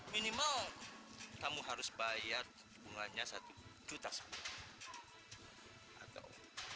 minimal kamu harus bayar bunganya satu juta rupiah atau